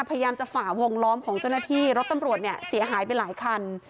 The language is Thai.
พยายามจะฝ่าวงล้อมของเจ้าหน้าที่รถตำรวจเนี่ยเสียหายไปหลายคัน